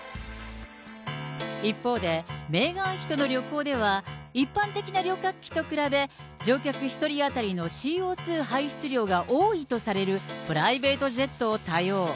一方で、メーガン妃との旅行では、一般的な旅客機と比べ、乗客１人当たりのＣＯ２排出量が多いとされるプライベートジェットを多用。